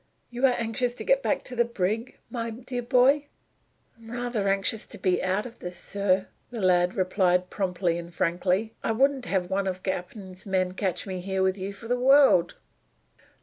"You are anxious to get back to the brig, my dear boy?" "I'm rather anxious to be out of this, sir," the lad replied, promptly and frankly. "I wouldn't have one of the cap'n's men catch me here with you for the world."